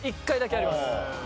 １回だけあります。